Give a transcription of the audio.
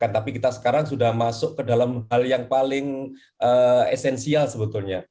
tapi kita sekarang sudah masuk ke dalam hal yang paling esensial sebetulnya